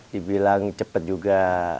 dibilang cepat juga